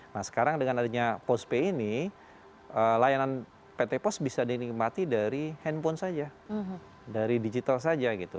nah sekarang dengan adanya postpay ini layanan pt pos bisa dinikmati dari handphone saja dari digital saja gitu